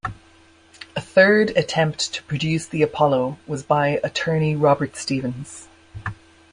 A third attempt to produce the Apollo was by attorney Robert Stevens.